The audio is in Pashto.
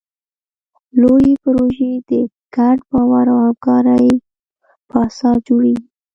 لویې پروژې د ګډ باور او همکارۍ په اساس جوړېږي.